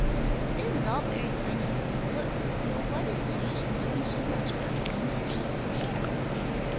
This is all very funny: but what is the use of knowing so much about things' teeth and hair?